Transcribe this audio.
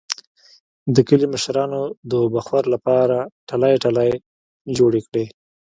د کلي مشرانو د اوبهخور لپاره ټلۍ ټلۍ جوړې کړې.